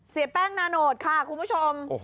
เสียแป้งนาโนตค่ะคุณผู้ชม